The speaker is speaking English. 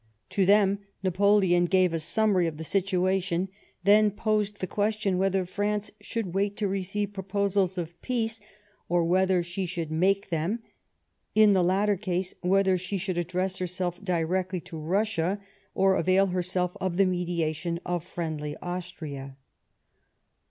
To them Napoleon gave a summary of the situation ; then posed the question whether France should wait to receive proposals of peace, or whether she should make them ; in the latter case, whether she should address herself directly to Pussia, or avail her self of the mediation of friendly Austria.